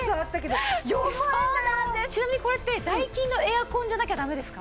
ちなみにこれってダイキンのエアコンじゃなきゃダメですか？